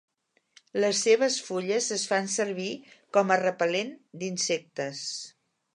Les seves fulles es fan servir com a repel·lent d'insectes.